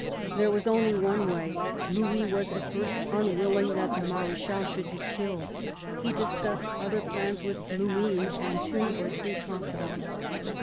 There was only one way. Louis was at first unwilling that the Marechal should be killed. He discussed other plans with Luynes and two or three confidants.